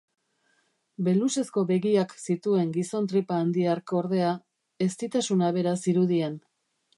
Belusezko begiak zituen gizon tripa-handi hark, ordea, eztitasuna bera zirudien.